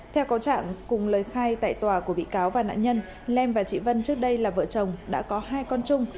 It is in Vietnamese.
theo có trạng cùng lời khai tại tòa của bị cáo và nạn nhân lem và chị vân trước đây là vợ chồng đã có hai con chung